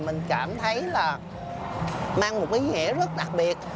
mình cảm thấy là mang một ý nghĩa rất đặc biệt